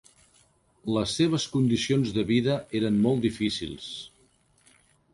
Les seves condicions de vida eren molt difícils.